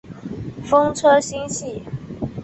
风车星系。